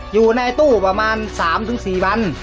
อยู่ในตู้ประมาณสามถึงสี่บัน